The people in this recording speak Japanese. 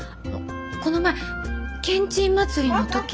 この前けんちん祭りの時。